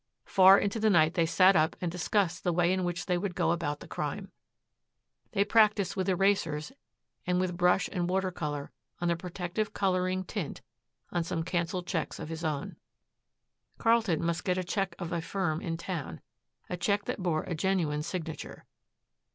Far into the night they sat up and discussed the way in which they would go about the crime. They practised with erasers and with brush and water color on the protective coloring tint on some canceled checks of his own. Carlton must get a check of a firm in town, a check that bore a genuine signature.